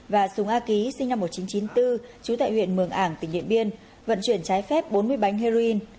và sùng a ký sinh năm một nghìn chín trăm chín mươi bốn trú tại huyện mường ảng tỉnh điện biên vận chuyển trái phép bốn mươi bánh heroin